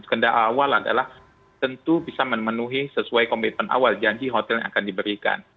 kendala awal adalah tentu bisa memenuhi sesuai komitmen awal janji hotel yang akan diberikan